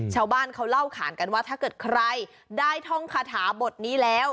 ชาวบ้านเขาเล่าขานกันว่าถ้าเกิดใครได้ท่องคาถาบทนี้แล้ว